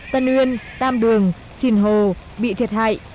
tân uyên tam đường xìn hồ bị thiệt hại